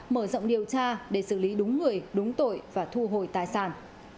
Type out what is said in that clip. mở rộng điều tra để xử lý đúng người đúng tội và thu hồi tài sản